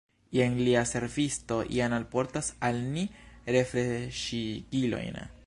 Jen lia servisto jam alportas al ni refreŝigilojn.